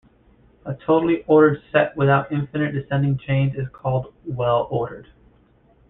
A totally ordered set without infinite descending chains is called well-ordered.